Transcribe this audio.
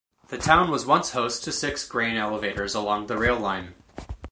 The town was once host to six grain elevators along the rail line.